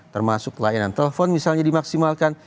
termasuk layanan telepon misalnya dimaksimalkan